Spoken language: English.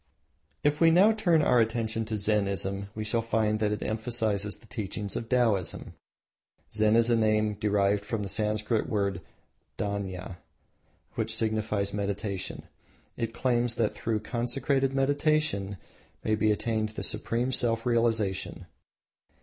If now we turn our attention to Zennism we shall find that it emphasises the teachings of Taoism. Zen is a name derived from the Sanscrit word Dhyana, which signifies meditation. It claims that through consecrated meditation may be attained supreme self realisation.